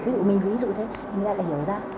ví dụ mình ví dụ thế người ta lại hiểu ra